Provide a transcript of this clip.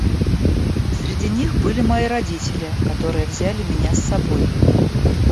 Среди них были мои родители, которые взяли меня с собой.